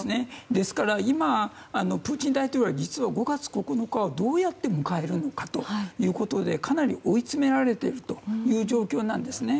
ですから今プーチン大統領は実は５月９日をどうやって迎えるのかということでかなり追い詰められているという状況なんですね。